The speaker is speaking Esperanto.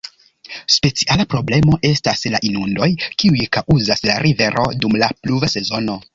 Speciala problemo estas la inundoj kiuj kaŭzas la rivero dum la pluva sezono.